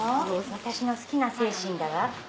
私の好きな精神だわ。